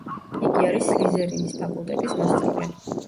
იგი არის სლიზერინის ფაკულტეტის მოსწავლე.